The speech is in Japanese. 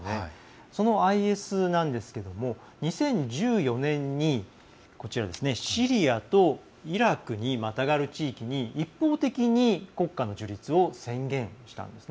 そのＩＳなんですけれども２０１４年にシリアとイラクにまたがる地域に一方的に国家の樹立を宣言したんです。